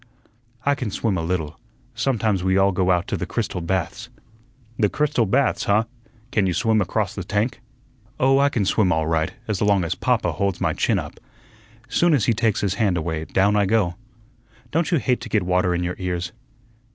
"I can swim a little. Sometimes we all go out to the Crystal Baths." "The Crystal Baths, huh? Can you swim across the tank?" "Oh, I can swim all right as long as papa holds my chin up. Soon as he takes his hand away, down I go. Don't you hate to get water in your ears?"